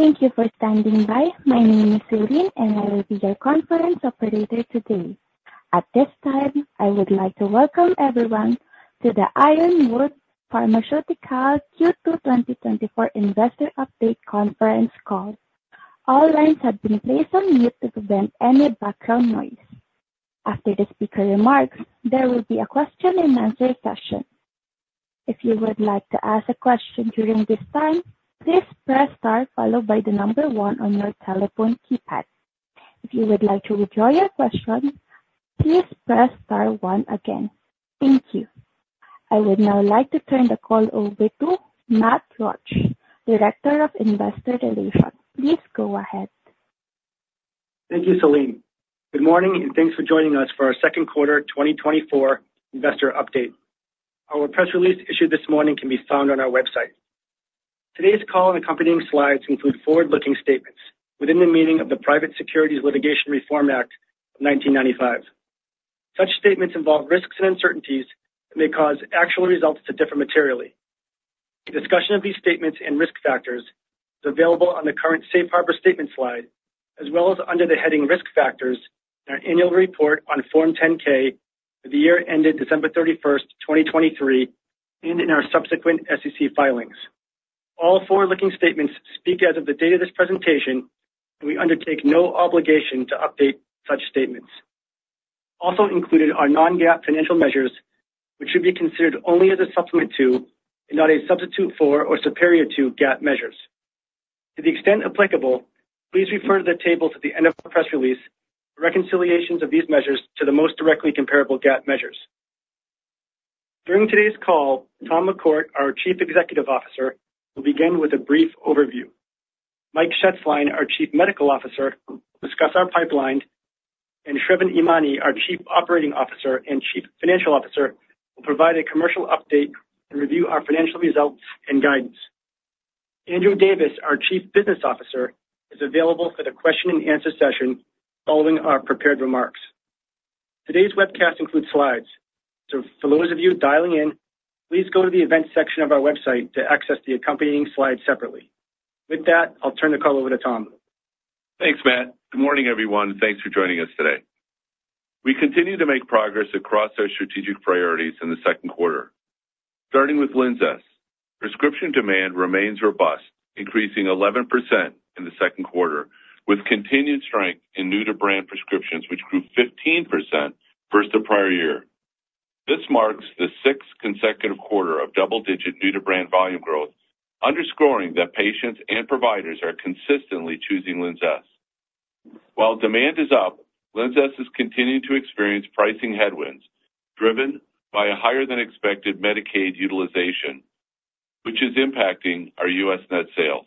Thank you for standing by. My name is Celine, and I will be your conference operator today. At this time, I would like to welcome everyone to the Ironwood Pharmaceuticals Q2 2024 Investor Update conference call. All lines have been placed on mute to prevent any background noise. After the speaker remarks, there will be a question-and-answer session. If you would like to ask a question during this time, please press star followed by the number one on your telephone keypad. If you would like to withdraw your question, please press star one again. Thank you. I would now like to turn the call over to Matt Roache, Director of Investor Relations. Please go ahead. Thank you, Celine. Good morning, and thanks for joining us for our Q2 2024 investor update. Our press release issued this morning can be found on our website. Today's call and accompanying slides include forward-looking statements within the meaning of the Private Securities Litigation Reform Act of 1995. Such statements involve risks and uncertainties that may cause actual results to differ materially. A discussion of these statements and risk factors is available on the current Safe Harbor statement slide, as well as under the heading Risk Factors in our annual report on Form 10-K for the year ended December 31, 2023, and in our subsequent SEC filings. All forward-looking statements speak as of the date of this presentation, and we undertake no obligation to update such statements. Also included are non-GAAP financial measures, which should be considered only as a supplement to and not a substitute for or superior to GAAP measures. To the extent applicable, please refer to the table at the end of our press release for reconciliations of these measures to the most directly comparable GAAP measures. During today's call, Tom McCourt, our Chief Executive Officer, will begin with a brief overview. Mike Shetzline, our Chief Medical Officer, will discuss our pipeline, and Sravan Emany, our Chief Operating Officer and Chief Financial Officer, will provide a commercial update and review our financial results and guidance. Andrew Davis, our Chief Business Officer, is available for the question-and-answer session following our prepared remarks. Today's webcast includes slides. For those of you dialing in, please go to the events section of our website to access the accompanying slides separately. With that, I'll turn the call over to Tom. Thanks, Matt. Good morning, everyone, and thanks for joining us today. We continue to make progress across our strategic priorities in the Q2. Starting with LINZESS. Prescription demand remains robust, increasing 11% in the Q2, with continued strength in new-to-brand prescriptions, which grew 15% versus the prior year. This marks the sixth consecutive quarter of double-digit new-to-brand volume growth, underscoring that patients and providers are consistently choosing LINZESS. While demand is up, LINZESS is continuing to experience pricing headwinds, driven by a higher-than-expected Medicaid utilization, which is impacting our U.S. net sales.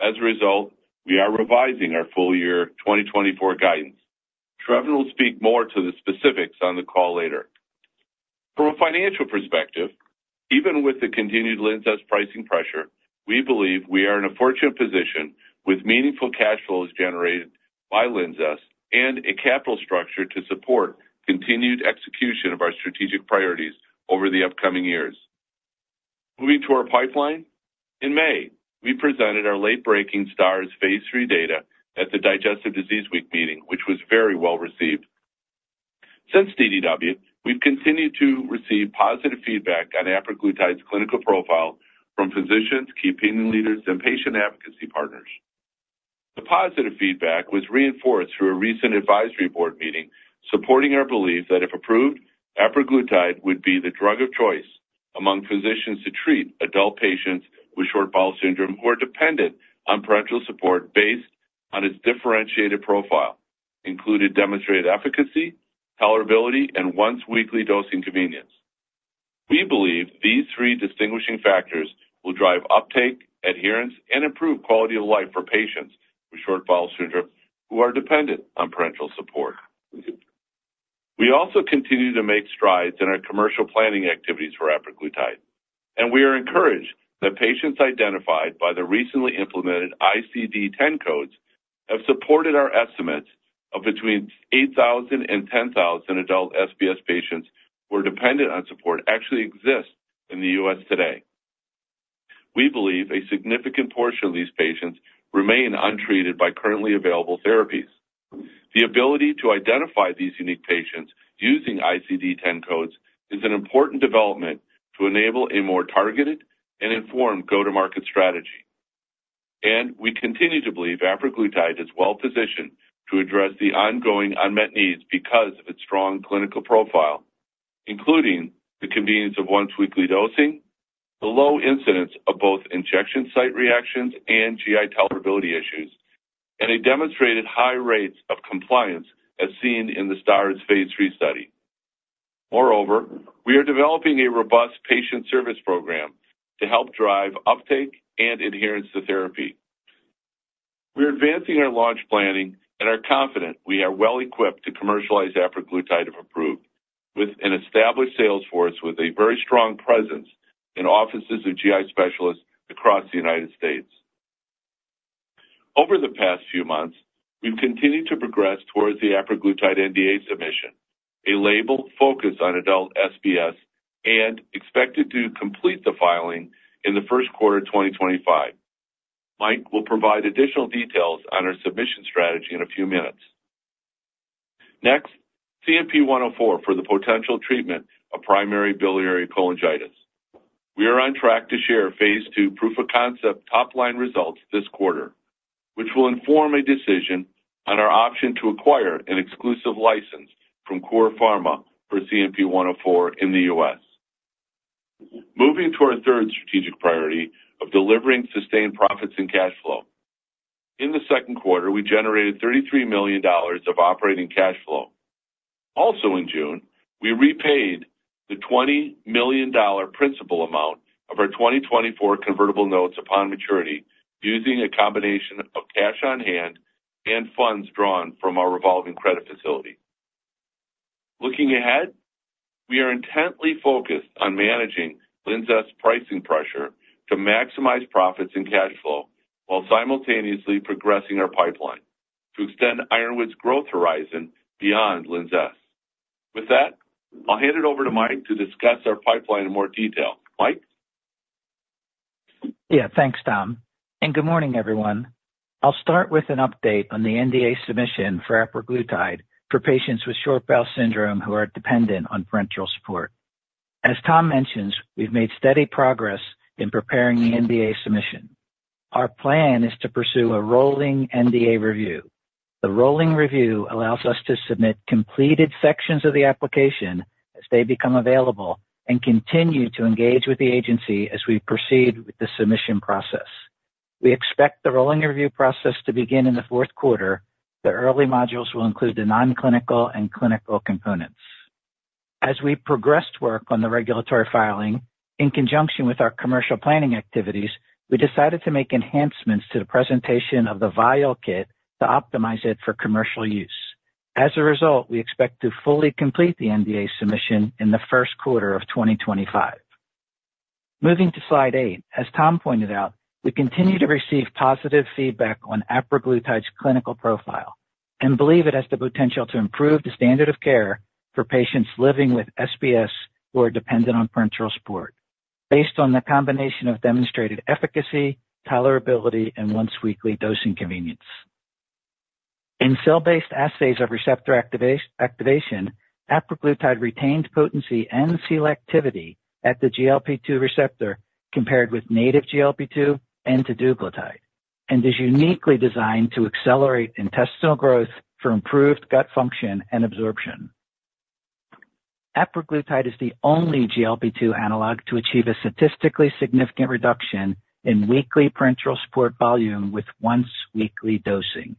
As a result, we are revising our full year 2024 guidance. Shrevin will speak more to the specifics on the call later. From a financial perspective, even with the continued LINZESS pricing pressure, we believe we are in a fortunate position with meaningful cash flows generated by LINZESS and a capital structure to support continued execution of our strategic priorities over the upcoming years. Moving to our pipeline. In May, we presented our late-breaking STARS phase 3 data at the Digestive Disease Week meeting, which was very well received. Since DDW, we've continued to receive positive feedback on apraglutide's clinical profile from physicians, key opinion leaders, and patient advocacy partners. The positive feedback was reinforced through a recent advisory board meeting, supporting our belief that if approved, apraglutide would be the drug of choice among physicians to treat adult patients with short bowel syndrome who are dependent on parenteral support based on its differentiated profile, including demonstrated efficacy, tolerability, and once-weekly dosing convenience. We believe these three distinguishing factors will drive uptake, adherence, and improve quality of life for patients with short bowel syndrome who are dependent on parenteral support. We also continue to make strides in our commercial planning activities for apraglutide, and we are encouraged that patients identified by the recently implemented ICD-10 codes have supported our estimates of between 8,000 and 10,000 adult SBS patients who are dependent on support actually exist in the U.S. today. We believe a significant portion of these patients remain untreated by currently available therapies. The ability to identify these unique patients using ICD-10 codes is an important development to enable a more targeted and informed go-to-market strategy. And we continue to believe apraglutide is well positioned to address the ongoing unmet needs because of its strong clinical profile, including the convenience of once-weekly dosing, the low incidence of both injection site reactions and GI tolerability issues, and a demonstrated high rates of compliance, as seen in the STARS phase 3 study. Moreover, we are developing a robust patient service program to help drive uptake and adherence to therapy. We are advancing our launch planning and are confident we are well equipped to commercialize apraglutide, if approved, with an established sales force with a very strong presence in offices of GI specialists across the United States. Over the past few months, we've continued to progress towards the apraglutide NDA submission, a label focused on adult SBS and expected to complete the filing in the Q1 of 2025. Mike will provide additional details on our submission strategy in a few minutes. Next, CMP-104 for the potential treatment of primary biliary cholangitis. We are on track to share phase 2 proof of concept top-line results this quarter, which will inform a decision on our option to acquire an exclusive license from Cour Pharma for CMP-104 in the U.S. Moving to our third strategic priority of delivering sustained profits and cash flow. In the Q2, we generated $33 million of operating cash flow. Also, in June, we repaid the $20 million principal amount of our 2024 convertible notes upon maturity, using a combination of cash on hand and funds drawn from our revolving credit facility. Looking ahead, we are intently focused on managing LINZESS pricing pressure to maximize profits and cash flow, while simultaneously progressing our pipeline to extend Ironwood's growth horizon beyond LINZESS. With that, I'll hand it over to Mike to discuss our pipeline in more detail. Mike? Yeah, thanks, Tom, and good morning, everyone. I'll start with an update on the NDA submission for apraglutide for patients with short bowel syndrome who are dependent on parenteral support. As Tom mentioned, we've made steady progress in preparing the NDA submission. Our plan is to pursue a rolling NDA review. The rolling review allows us to submit completed sections of the application as they become available and continue to engage with the agency as we proceed with the submission process. We expect the rolling review process to begin in the Q4. The early modules will include the non-clinical and clinical components. As we progressed work on the regulatory filing, in conjunction with our commercial planning activities, we decided to make enhancements to the presentation of the vial kit to optimize it for commercial use. As a result, we expect to fully complete the NDA submission in the Q1 of 2025. Moving to Slide 8, as Tom pointed out, we continue to receive positive feedback on apraglutide's clinical profile and believe it has the potential to improve the standard of care for patients living with SBS who are dependent on parenteral support, based on the combination of demonstrated efficacy, tolerability, and once-weekly dosing convenience. In cell-based assays of receptor activation, apraglutide retained potency and selectivity at the GLP-2 receptor, compared with native GLP-2 and teduglutide, and is uniquely designed to accelerate intestinal growth for improved gut function and absorption. Apraglutide is the only GLP-2 analog to achieve a statistically significant reduction in weekly parenteral support volume with once-weekly dosing.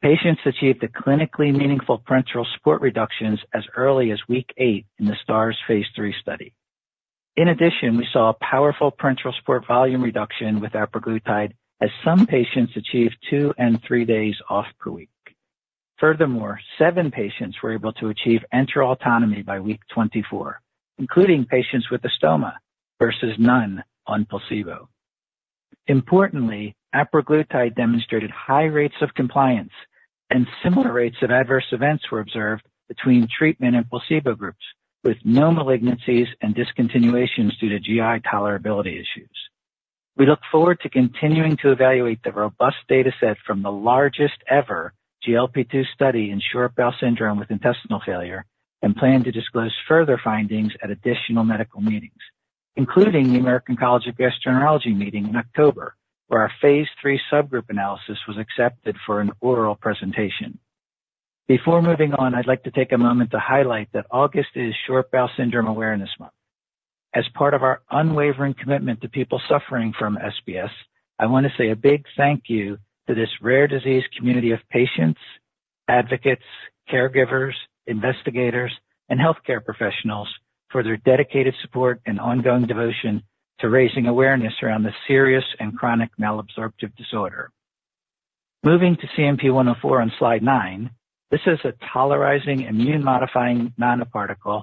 Patients achieved a clinically meaningful parenteral support reduction as early as week 8 in the STARS phase 3 study. In addition, we saw a powerful parenteral support volume reduction with apraglutide, as some patients achieved 2 and 3 days off per week. Furthermore, 7 patients were able to achieve enteral autonomy by week 24, including patients with stoma versus none on placebo. Importantly, apraglutide demonstrated high rates of compliance and similar rates of adverse events were observed between treatment and placebo groups, with no malignancies and discontinuations due to GI tolerability issues. We look forward to continuing to evaluate the robust data set from the largest-ever GLP-2 study in short bowel syndrome with intestinal failure, and plan to disclose further findings at additional medical meetings, including the American College of Gastroenterology meeting in October, where our phase 3 subgroup analysis was accepted for an oral presentation. Before moving on, I'd like to take a moment to highlight that August is Short Bowel Syndrome Awareness Month. As part of our unwavering commitment to people suffering from SBS, I want to say a big thank you to this rare disease community of patients, advocates, caregivers, investigators, and healthcare professionals for their dedicated support and ongoing devotion to raising awareness around this serious and chronic malabsorptive disorder. Moving to CMP-104 on Slide 9, this is a tolerizing immune-modifying nanoparticle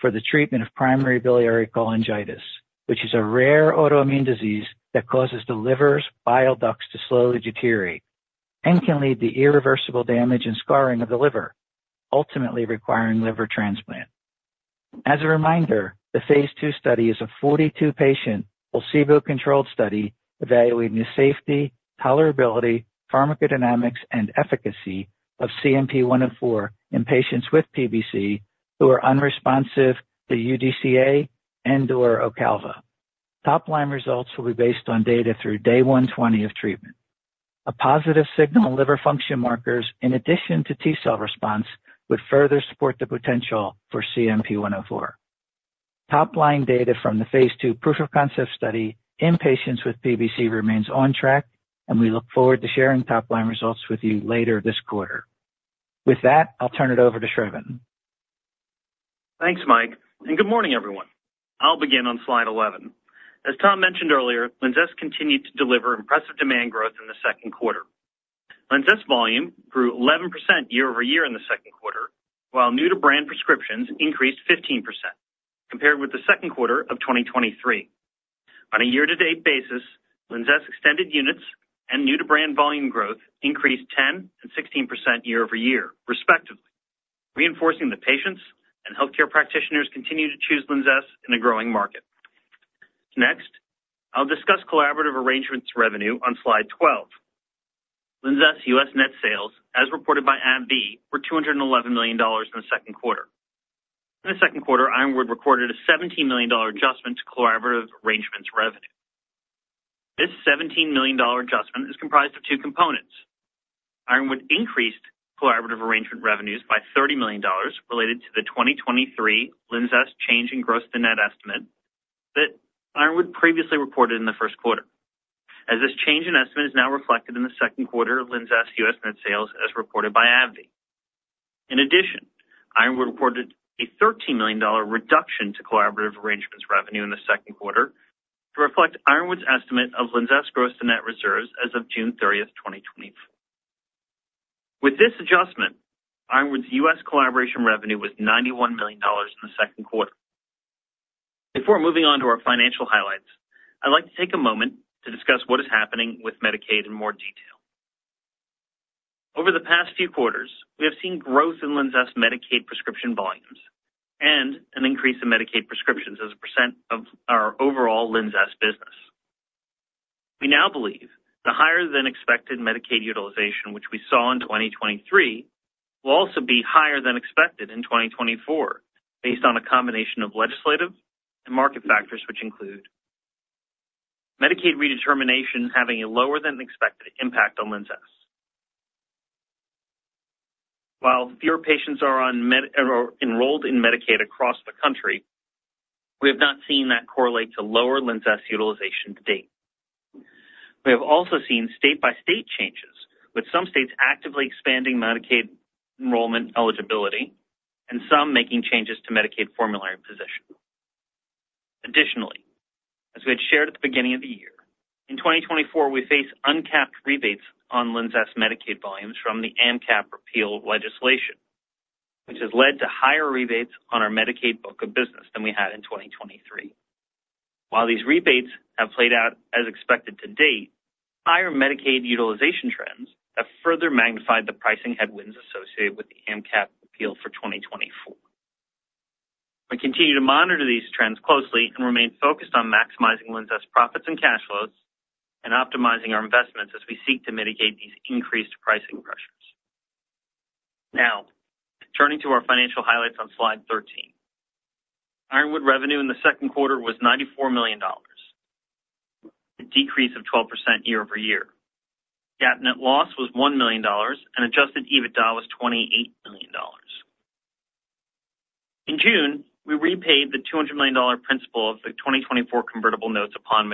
for the treatment of primary biliary cholangitis, which is a rare autoimmune disease that causes the liver's bile ducts to slowly deteriorate and can lead to irreversible damage and scarring of the liver, ultimately requiring liver transplant. As a reminder, the phase 2 study is a 42-patient, placebo-controlled study evaluating the safety, tolerability, pharmacodynamics, and efficacy of CMP-104 in patients with PBC who are unresponsive to UDCA and/or Ocaliva. Top-line results will be based on data through day 120 of treatment. A positive signal in liver function markers, in addition to T-cell response, would further support the potential for CMP-104. Top-line data from the phase 2 proof of concept study in patients with PBC remains on track, and we look forward to sharing top-line results with you later this quarter. With that, I'll turn it over to Shrevin. Thanks, Mike, and good morning, everyone. I'll begin on slide 11. As Tom mentioned earlier, LINZESS continued to deliver impressive demand growth in the Q2. LINZESS volume grew 11% year-over-year in the Q2, while new-to-brand prescriptions increased 15%.... compared with the Q2 of 2023. On a year-to-date basis, LINZESS extended units and new-to-brand volume growth increased 10% and 16% year-over-year, respectively, reinforcing that patients and healthcare practitioners continue to choose LINZESS in a growing market. Next, I'll discuss collaborative arrangements revenue on slide 12. LINZESS US net sales, as reported by AbbVie, were $211 million in the Q2. In the Q2, Ironwood recorded a $17 million adjustment to collaborative arrangements revenue. This $17 million adjustment is comprised of 2 components. Ironwood increased collaborative arrangement revenues by $30 million related to the 2023 LINZESS change in gross to net estimate that Ironwood previously reported in the Q1, as this change in estimate is now reflected in the Q2 of LINZESS US net sales as reported by AbbVie. In addition, Ironwood reported a $13 million reduction to collaborative arrangements revenue in the Q2 to reflect Ironwood's estimate of LINZESS gross to net reserves as of June 30, 2024. With this adjustment, Ironwood's U.S. collaboration revenue was $91 million in the Q2. Before moving on to our financial highlights, I'd like to take a moment to discuss what is happening with Medicaid in more detail. Over the past few quarters, we have seen growth in LINZESS Medicaid prescription volumes and an increase in Medicaid prescriptions as a percent of our overall LINZESS business. We now believe the higher-than-expected Medicaid utilization, which we saw in 2023, will also be higher than expected in 2024, based on a combination of legislative and market factors, which include Medicaid redetermination having a lower-than-expected impact on LINZESS. While fewer patients are on Medicaid or enrolled in Medicaid across the country, we have not seen that correlate to lower LINZESS utilization to date. We have also seen state-by-state changes, with some states actively expanding Medicaid enrollment eligibility and some making changes to Medicaid formulary position. Additionally, as we had shared at the beginning of the year, in 2024, we face uncapped rebates on LINZESS Medicaid volumes from the AMCAP repeal legislation, which has led to higher rebates on our Medicaid book of business than we had in 2023. While these rebates have played out as expected to date, higher Medicaid utilization trends have further magnified the pricing headwinds associated with the AMCAP repeal for 2024. We continue to monitor these trends closely and remain focused on maximizing LINZESS profits and cash flows and optimizing our investments as we seek to mitigate these increased pricing pressures. Now, turning to our financial highlights on slide 13. Ironwood revenue in the Q2 was $94 million, a decrease of 12% year over year. GAAP net loss was $1 million, and adjusted EBITDA was $28 million. In June, we repaid the $200 million principal of the 2024 convertible notes upon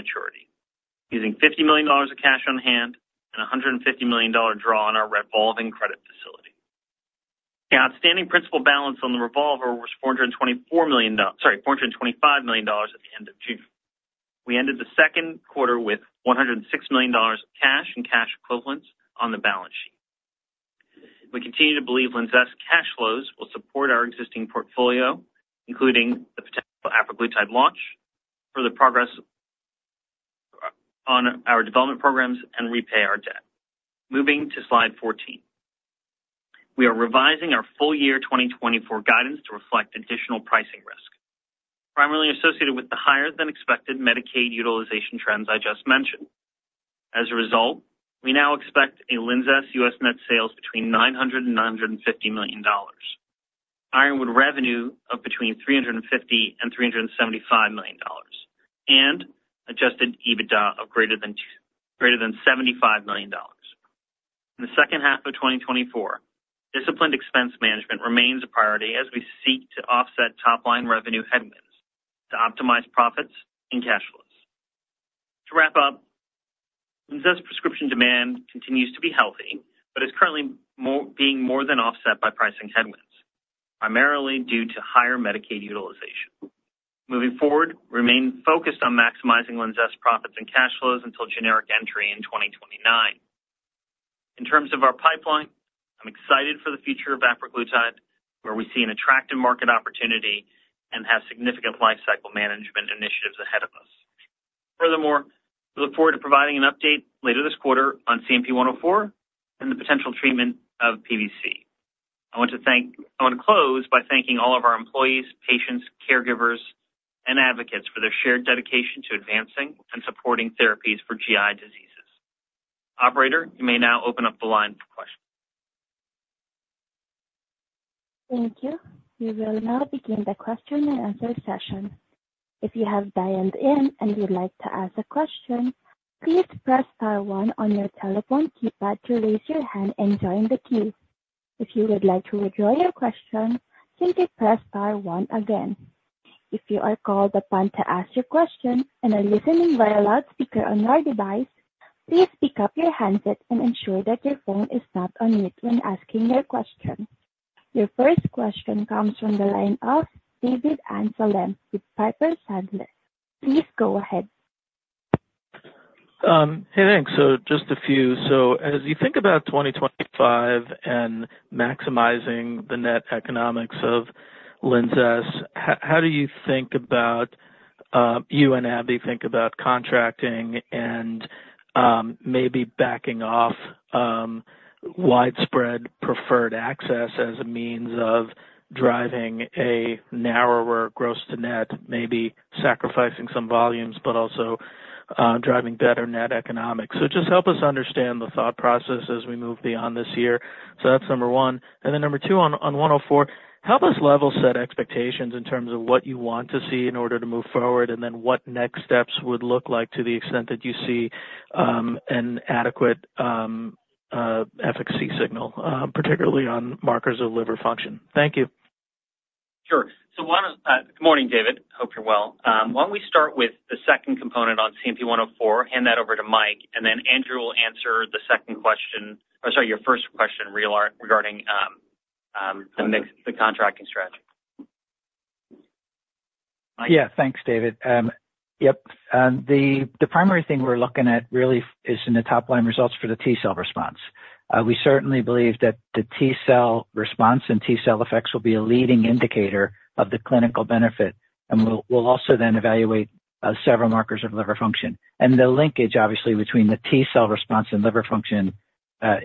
maturity, using $50 million of cash on hand and a $150 million draw on our revolving credit facility. The outstanding principal balance on the revolver was $425 million at the end of June. We ended the Q2 with $106 million of cash and cash equivalents on the balance sheet. We continue to believe LINZESS cash flows will support our existing portfolio, including the potential apraglutide launch, further progress on our development programs, and repay our debt. Moving to slide 14. We are revising our full year 2024 guidance to reflect additional pricing risk, primarily associated with the higher-than-expected Medicaid utilization trends I just mentioned. As a result, we now expect LINZESS US net sales between $900 million and $950 million, Ironwood revenue of between $350 million and $375 million, and adjusted EBITDA of greater than $75 million. In the second half of 2024, disciplined expense management remains a priority as we seek to offset top-line revenue headwinds to optimize profits and cash flows. To wrap up, LINZESS prescription demand continues to be healthy, but is currently being more than offset by pricing headwinds, primarily due to higher Medicaid utilization. Moving forward, we remain focused on maximizing LINZESS profits and cash flows until generic entry in 2029. In terms of our pipeline, I'm excited for the future of apraglutide, where we see an attractive market opportunity and have significant lifecycle management initiatives ahead of us. Furthermore, we look forward to providing an update later this quarter on CNP-104 and the potential treatment of PBC. I want to close by thanking all of our employees, patients, caregivers, and advocates for their shared dedication to advancing and supporting therapies for GI diseases. Operator, you may now open up the line for questions. Thank you. We will now begin the question and answer session. If you have dialed in and you'd like to ask a question, please press star one on your telephone keypad to raise your hand and join the queue. If you would like to withdraw your question, simply press star one again. If you are called upon to ask your question and are listening via loudspeaker on your device, please pick up your handset and ensure that your phone is not on mute when asking your question. Your first question comes from the line of David Amsellem with Piper Sandler. Please go ahead.... Hey, thanks. So just a few. So as you think about 2025 and maximizing the net economics of LINZESS, how do you think about, you and AbbVie think about contracting and, maybe backing off, widespread preferred access as a means of driving a narrower gross to net, maybe sacrificing some volumes, but also, driving better net economics? So just help us understand the thought process as we move beyond this year. So that's number one. And then number two, on, on CMP-104, help us level set expectations in terms of what you want to see in order to move forward, and then what next steps would look like to the extent that you see, an adequate, efficacy signal, particularly on markers of liver function. Thank you. Sure. Good morning, David. Hope you're well. Why don't we start with the second component on CMP-104? Hand that over to Mike, and then Andrew will answer the second question, or sorry, your first question regarding the mix, the contracting strategy. Yeah, thanks, David. Yep, the primary thing we're looking at really is in the top line results for the T-cell response. We certainly believe that the T-cell response and T-cell effects will be a leading indicator of the clinical benefit, and we'll also then evaluate several markers of liver function. The linkage, obviously, between the T-cell response and liver function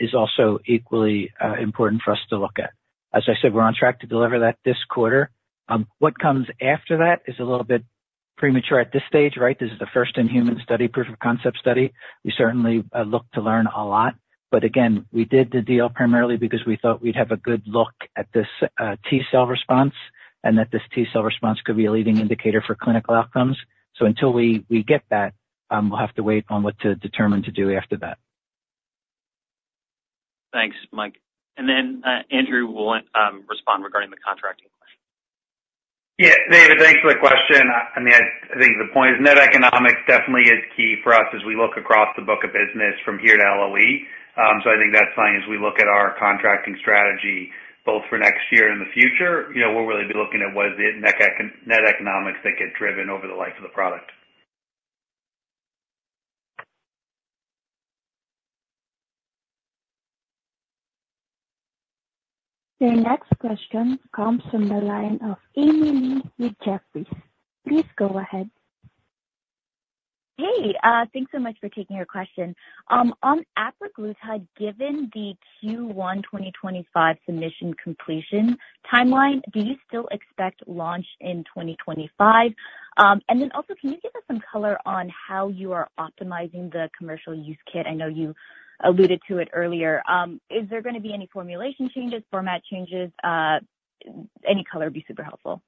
is also equally important for us to look at. As I said, we're on track to deliver that this quarter. What comes after that is a little bit premature at this stage, right? This is the first-in-human study, proof-of-concept study. We certainly look to learn a lot, but again, we did the deal primarily because we thought we'd have a good look at this T-cell response, and that this T-cell response could be a leading indicator for clinical outcomes. So until we get that, we'll have to wait on what to determine to do after that. Thanks, Mike. And then, Andrew will respond regarding the contracting question. Yeah, David, thanks for the question. I mean, I think the point is net economics definitely is key for us as we look across the book of business from here to LLE. So I think that's fine. As we look at our contracting strategy, both for next year and the future, you know, we'll really be looking at what is it, net econ-net economics that get driven over the life of the product. The next question comes from the line of Amy Lee with Jefferies. Please go ahead. Hey, thanks so much for taking our question. On apraglutide, given the Q1 2025 submission completion timeline, do you still expect launch in 2025? And then also, can you give us some color on how you are optimizing the commercial use kit? I know you alluded to it earlier. Is there gonna be any formulation changes, format changes? Any color would be super helpful.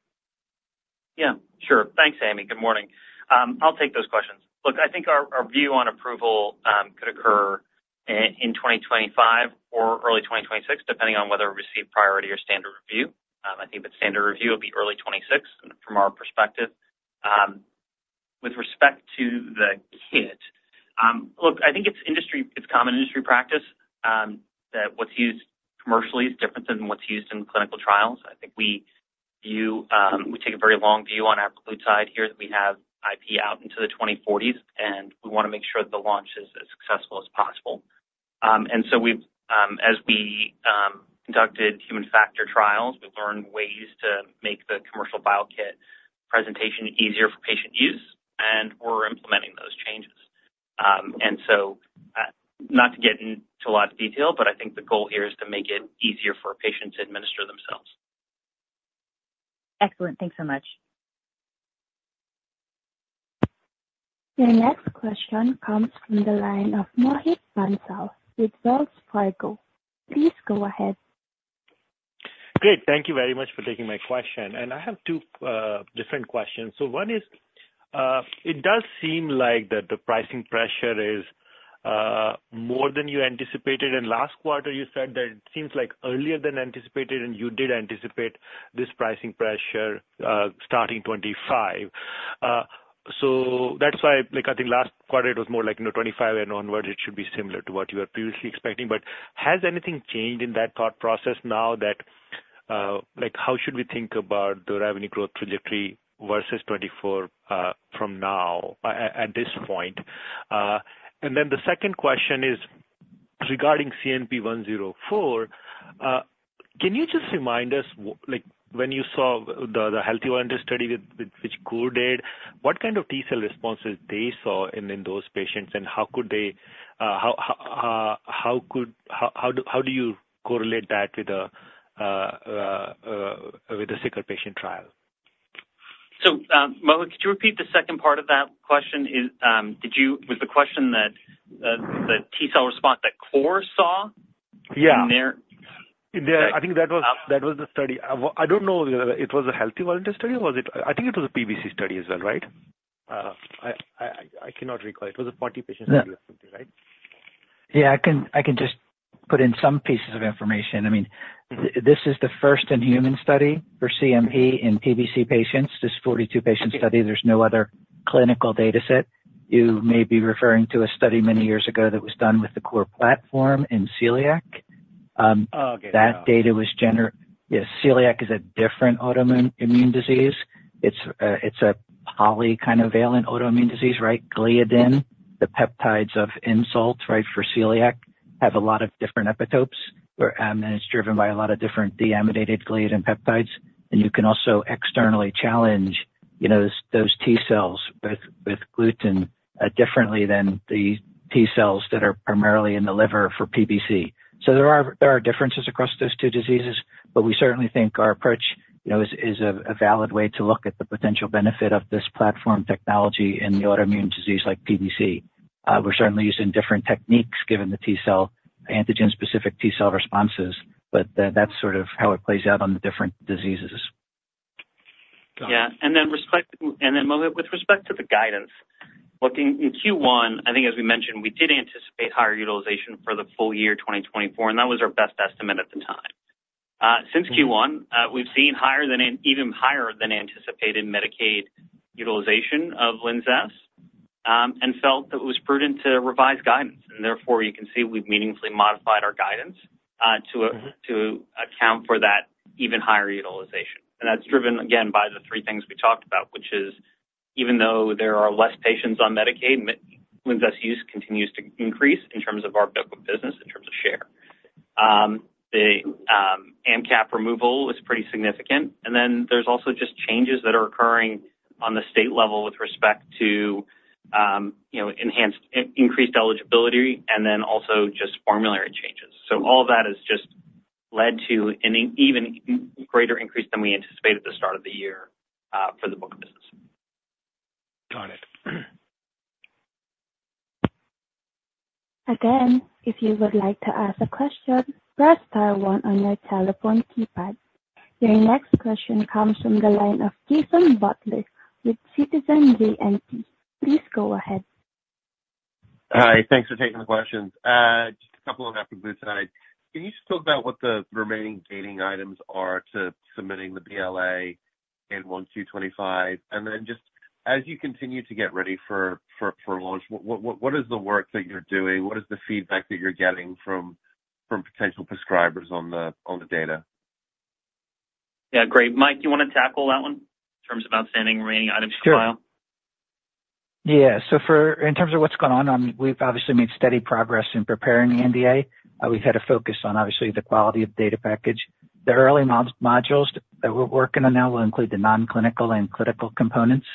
Yeah, sure. Thanks, Amy. Good morning. I'll take those questions. Look, I think our view on approval could occur in 2025 or early 2026, depending on whether we receive priority or standard review. I think the standard review will be early 2026 from our perspective. With respect to the kit, look, I think it's common industry practice that what's used commercially is different than what's used in clinical trials. I think we view, we take a very long view on apraglutide here, that we have IP out into the 2040s, and we wanna make sure that the launch is as successful as possible. And so we've, as we conducted human factor trials, we've learned ways to make the commercial vial kit presentation easier for patient use, and we're implementing those changes. Not to get into a lot of detail, but I think the goal here is to make it easier for a patient to administer themselves. Excellent. Thanks so much. Your next question comes from the line of Mohit Bansal with Wells Fargo. Please go ahead. Great, thank you very much for taking my question, and I have two different questions. So one is, it does seem like that the pricing pressure is more than you anticipated, and last quarter you said that it seems like earlier than anticipated, and you did anticipate this pricing pressure starting 2025. So that's why, like, I think last quarter, it was more like, you know, 2025 and onwards, it should be similar to what you were previously expecting. But has anything changed in that thought process now that, like how should we think about the revenue growth trajectory versus 2024 from now, at this point? And then the second question is regarding CMP-104. Can you just remind us, like, when you saw the healthy volunteer study which Cor did, what kind of T-cell responses they saw in those patients, and how could they, how could... How do you correlate that with the sicker patient trial? So, Mohit, could you repeat the second part of that question? Was the question that the T-cell response that Cor saw? Yeah. In their- I think that was the study. I don't know whether it was a healthy volunteer study, or was it? I think it was a PBC study as well, right? I cannot recall. It was a 40-patient study, right? Yeah, I can, I can just put in some pieces of information. I mean, this is the first in human study for CMP in PBC patients, this 42-patient study. There's no other clinical data set. You may be referring to a study many years ago that was done with the Cor platform in celiac. That data was yeah, celiac is a different autoimmune disease. It's a polyvalent autoimmune disease, right? Gliadin, the peptides of insult, right, for celiac, have a lot of different epitopes, and it's driven by a lot of different deaminated gliadin peptides. And you can also externally challenge, you know, those T cells with gluten differently than the T cells that are primarily in the liver for PBC. So there are differences across those two diseases, but we certainly think our approach, you know, is a valid way to look at the potential benefit of this platform technology in the autoimmune disease like PBC. We're certainly using different techniques given the T-cell antigen-specific T-cell responses, but that's sort of how it plays out on the different diseases. Yeah. And then with respect to the guidance, looking in Q1, I think as we mentioned, we did anticipate higher utilization for the full year, 2024, and that was our best estimate at the time. Since Q1, we've seen even higher than anticipated Medicaid utilization of LINZESS, and felt that it was prudent to revise guidance. And therefore, you can see we've meaningfully modified our guidance, to- Mm-hmm... to account for that even higher utilization. That's driven, again, by the three things we talked about, which is, even though there are less patients on Medicaid, LINZESS use continues to increase in terms of our book of business, in terms of share. The AMCAP removal is pretty significant, and then there's also just changes that are occurring on the state level with respect to, you know, enhanced, increased eligibility, and then also just formulary changes. All that has just led to an even greater increase than we anticipated at the start of the year, for the book of business. Got it. Again, if you would like to ask a question, press star one on your telephone keypad. Your next question comes from the line of Jason Butler with Citizens JMP. Please go ahead. Hi, thanks for taking the questions. Just a couple on hep C tonight. Can you just talk about what the remaining gating items are to submitting the BLA in Q1 2025? And then just as you continue to get ready for launch, what is the work that you're doing? What is the feedback that you're getting from potential prescribers on the data? Yeah, great. Mike, do you wanna tackle that one in terms of outstanding remaining items for the file? Sure. Yeah, so in terms of what's going on, we've obviously made steady progress in preparing the NDA. We've had a focus on, obviously, the quality of data package. The early modules that we're working on now will include the non-clinical and clinical components.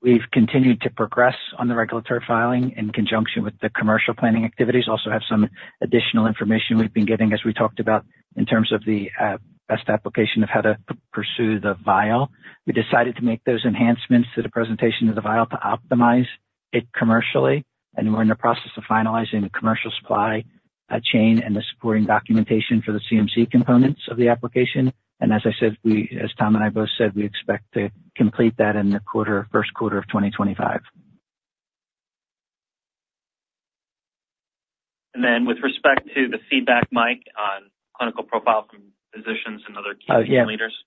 We've continued to progress on the regulatory filing in conjunction with the commercial planning activities, also have some additional information we've been getting, as we talked about, in terms of the best application of how to pursue the vial. We decided to make those enhancements to the presentation of the vial to optimize it commercially, and we're in the process of finalizing the commercial supply chain and the supporting documentation for the CMC components of the application. As I said, we, as Tom and I both said, we expect to complete that in the Q1 of 2025. And then with respect to the feedback, Mike, on clinical profile from physicians and other- Uh, yeah. -key leaders.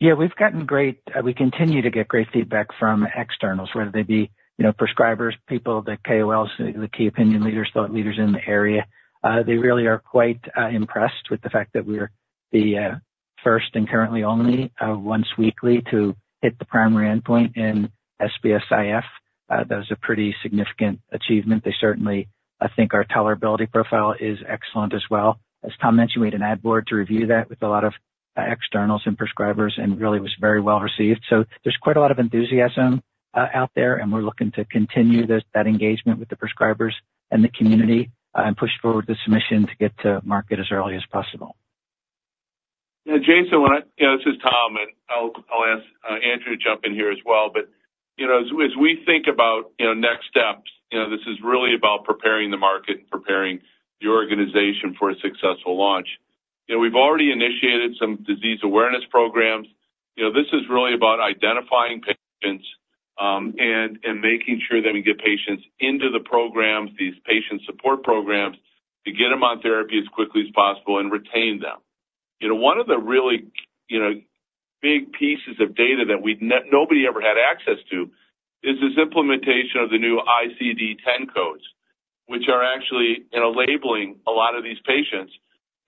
Yeah, we've gotten great, we continue to get great feedback from externals, whether they be, you know, prescribers, people, the KOLs, the key opinion leaders, thought leaders in the area. They really are quite impressed with the fact that we're the first and currently only once weekly to hit the primary endpoint in SBSIF. That was a pretty significant achievement. They certainly, I think, our tolerability profile is excellent as well. As Tom mentioned, we had an ad board to review that with a lot of externals and prescribers, and really was very well received. So there's quite a lot of enthusiasm out there, and we're looking to continue this, that engagement with the prescribers and the community, and push forward the submission to get to market as early as possible. Yeah, Jason, yeah, this is Tom, and I'll, I'll ask Andrew to jump in here as well. But, you know, as, as we think about, you know, next steps, you know, this is really about preparing the market and preparing the organization for a successful launch. You know, we've already initiated some disease awareness programs. You know, this is really about identifying patients, and, and making sure that we get patients into the programs, these patient support programs, to get them on therapy as quickly as possible and retain them. You know, one of the really, you know, big pieces of data that we've nobody ever had access to is this implementation of the new ICD-10 codes, which are actually, you know, labeling a lot of these patients,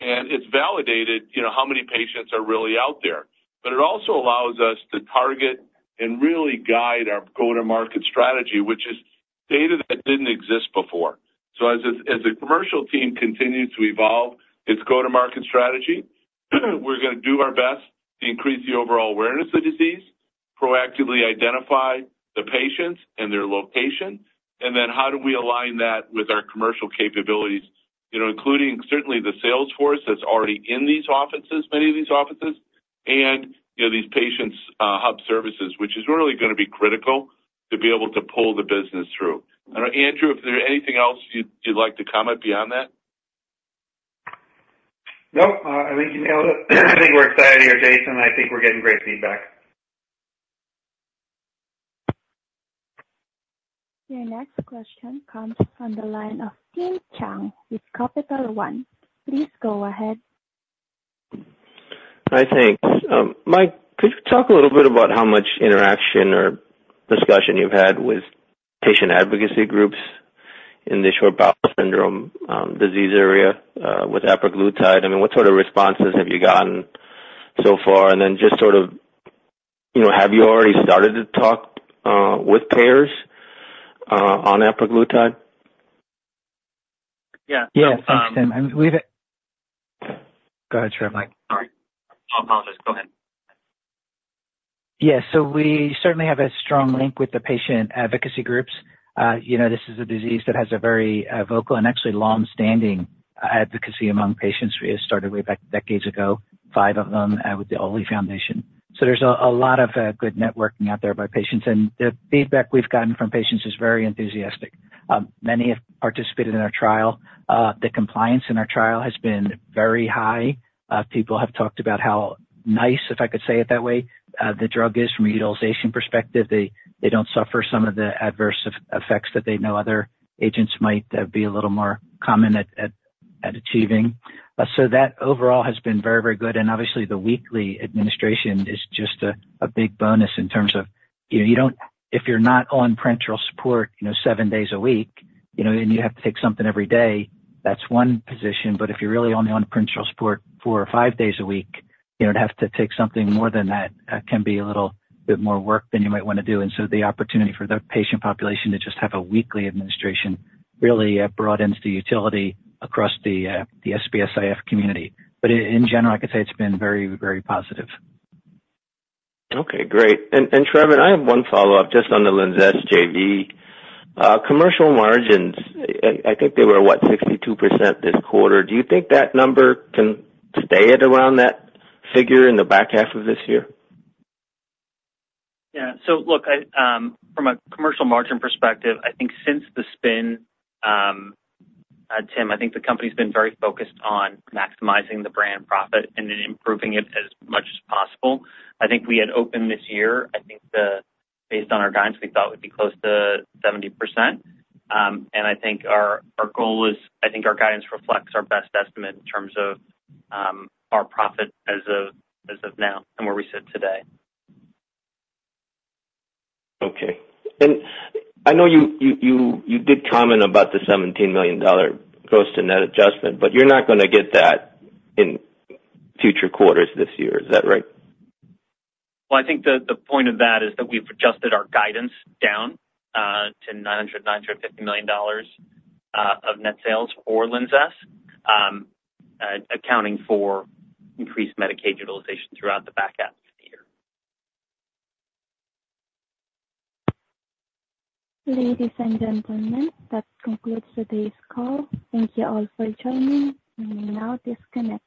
and it's validated, you know, how many patients are really out there. But it also allows us to target and really guide our go-to-market strategy, which is data that didn't exist before. So as a commercial team continues to evolve its go-to-market strategy, we're gonna do our best to increase the overall awareness of the disease, proactively identify the patients and their location, and then how do we align that with our commercial capabilities? You know, including certainly the sales force that's already in these offices, many of these offices, and, you know, these patients, hub services, which is really gonna be critical to be able to pull the business through. I don't know, Andrew, if there's anything else you'd like to comment beyond that? Nope, I think you nailed it. I think we're excited here, Jason. I think we're getting great feedback. Your next question comes from the line of Tim Chung with Capital One. Please go ahead.... Hi, thanks. Mike, could you talk a little bit about how much interaction or discussion you've had with patient advocacy groups in the short bowel syndrome, disease area, with apraglutide? I mean, what sort of responses have you gotten so far? And then just sort of, you know, have you already started to talk with payers on apraglutide? Yeah. Yeah, thanks, Tim. Go ahead, Trevor. Sorry. I apologize, go ahead. Yeah, so we certainly have a strong link with the patient advocacy groups. You know, this is a disease that has a very vocal and actually longstanding advocacy among patients. We started way back decades ago, five of them, with the Oley Foundation. So there's a lot of good networking out there by patients, and the feedback we've gotten from patients is very enthusiastic. Many have participated in our trial. The compliance in our trial has been very high. People have talked about how nice, if I could say it that way, the drug is from a utilization perspective. They don't suffer some of the adverse effects that they know other agents might be a little more common at achieving. So that overall has been very, very good, and obviously the weekly administration is just a big bonus in terms of, you know, you don't, if you're not on parenteral support, you know, seven days a week, you know, then you have to take something every day, that's one position. But if you're really only on parenteral support four or five days a week, you know, to have to take something more than that can be a little bit more work than you might wanna do. And so the opportunity for the patient population to just have a weekly administration really broadens the utility across the SBS-IF community. But in general, I could say it's been very, very positive. Okay, great. Trevor, I have one follow-up just on the LINZESS JV. Commercial margins, I think they were, what, 62% this quarter. Do you think that number can stay at around that figure in the back half of this year? Yeah. So look, I, from a commercial margin perspective, I think since the spin, Tim, I think the company's been very focused on maximizing the brand profit and then improving it as much as possible. I think we had opened this year, I think the, based on our guidance, we thought would be close to 70%. And I think our, our goal is, I think our guidance reflects our best estimate in terms of, our profit as of, as of now and where we sit today. Okay. And I know you did comment about the $17 million gross to net adjustment, but you're not gonna get that in future quarters this year, is that right? Well, I think the point of that is that we've adjusted our guidance down to $900 million-$950 million of net sales for LINZESS, accounting for increased Medicaid utilization throughout the back half of the year. Ladies and gentlemen, that concludes today's call. Thank you all for joining. You may now disconnect.